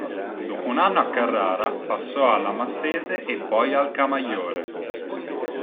Dopo un anno a Carrara, passò alla Massese e poi al Camaiore.